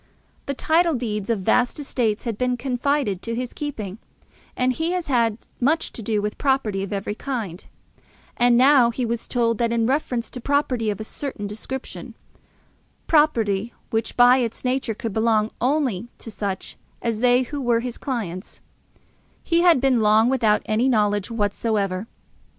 The title deeds of vast estates had been confided to his keeping, and he had had much to do with property of every kind; and now he was told that, in reference to property of a certain description, property which, by its nature, could only belong to such as they who were his clients, he had been long without any knowledge whatsoever.